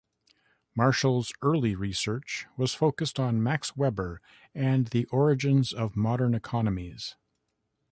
Marshall's early research was focused on Max Weber and the origins of modern economies.